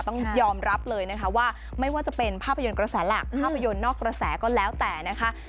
ต้องยอมรับเลยนะคะว่าไม่ว่าจะเป็นภาพยนตร์กระแสหลักภาพยนตร์นอกกระแสก็แล้วแต่นะคะ